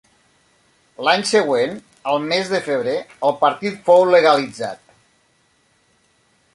L'any següent, al mes de febrer, el partit fou legalitzat.